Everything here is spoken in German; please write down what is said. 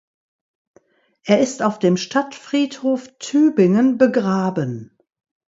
Er ist auf dem Stadtfriedhof Tübingen begraben.